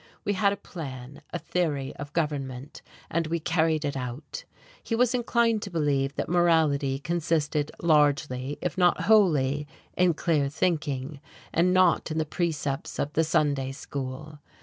We had a plan, a theory of government, and we carried it out. He was inclined to believe that morality consisted largely, if not wholly, in clear thinking, and not in the precepts of the Sunday school.